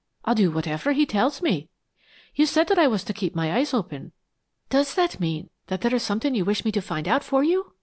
I'll do whatever he tells me.... You said that I was to keep my eyes open. Does that mean that there is something you wish me to find out for you?"